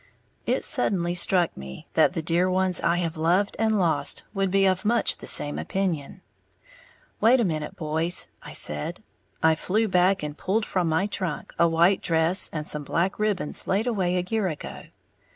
It suddenly struck me that the dear ones I have loved and lost would be of much the same opinion. "Wait a minute, boys," I said. I flew back and pulled from my trunk a white dress and some black ribbons laid away a year ago.